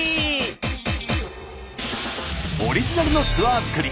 オリジナルのツアー作り。